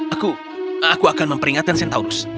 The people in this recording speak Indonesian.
aku aku akan memperingatkan centaurus